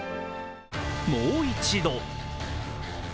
もう一度。